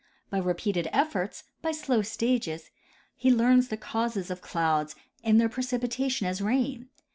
By repeated efforts, by slow stages, he learns the causes of clouds and their precipitation as rain.